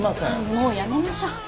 もうやめましょう。